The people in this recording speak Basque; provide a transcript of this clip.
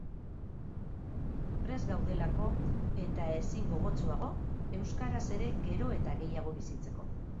Prest gaudelako, eta ezin gogotsuago, euskaraz ere gero eta gehiago bizitzeko.